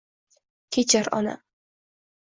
Kechir, onam!